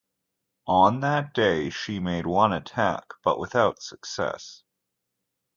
On that day, she made one attack but without success.